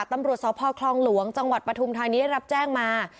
ตำรวจสพคลองหลวงจังหวัดปฐุมธานีได้รับแจ้งมา